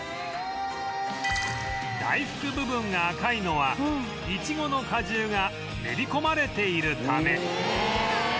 大福部分が赤いのはいちごの果汁が練り込まれているため